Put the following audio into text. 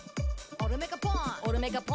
オルメカポン！」